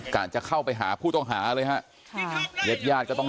แค้นเหล็กเอาไว้บอกว่ากะจะฟาดลูกชายให้ตายเลยนะ